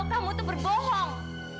kamu tuh berbohong